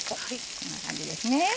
こんな感じですね。